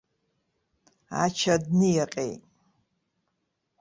Ача дниаҟьеит.